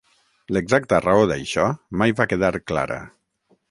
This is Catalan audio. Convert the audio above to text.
L'exacta raó d'això mai va quedar clara.